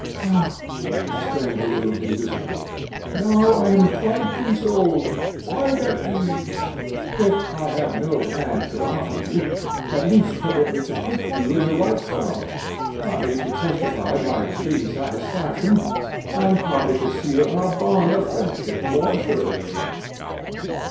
"Now," exclaimed the little Invisible, "now I am quite consoled, quite at ease. If I have no hand to offer you, at least permit me to prick you in the right thumb, partly to testify my extreme satisfaction, and partly to seal our bond of friendship more assuredly."